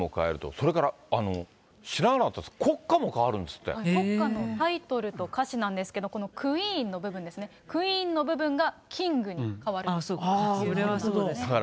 それから知らなかったんですけど、国歌のタイトルと歌詞なんですけど、このクイーンの部分ですね、クイーンの部分がキングに変それはそうですね。